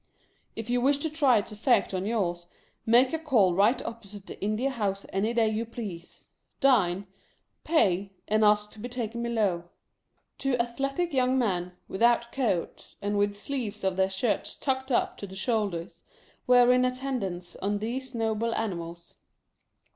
If you wish to try its efEect on yours, make a call right opposite the India House any day you please — dine — pay — and ask to be taken below. Two athletic yoimg men, without coats, and with the sleeves of their shirts tucked up to the shoulders, were in attendance on these noble animals.